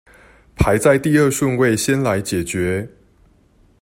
排在第二順位先來解決